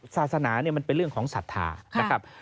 ศาสนาเนี่ยมันเป็นเรื่องของศรัทธานะครับ